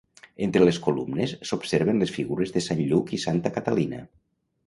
Entre les columnes s'observen les figures de Sant Lluc i Santa Catalina.